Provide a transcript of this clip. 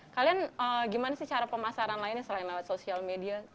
kalian gimana sih cara pemasaran lainnya selain lewat sosial media